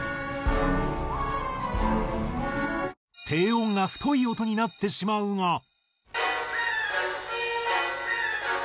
低音が太い音になってしまうが。